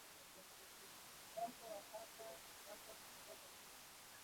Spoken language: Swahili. wako au kaka yako Kuzaliwa kwa mtoto